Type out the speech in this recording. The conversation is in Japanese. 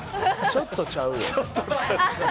ちょっとちゃう。